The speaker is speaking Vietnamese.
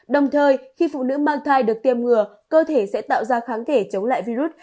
đồng thời khi phụ nữ mang thai được tiêm ngừa cơ thể sẽ tạo ra kháng thể chống lại virus